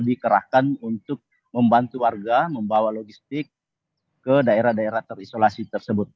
dikerahkan untuk membantu warga membawa logistik ke daerah daerah terisolasi tersebut